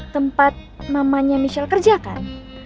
tempat mamanya michelle kerja kan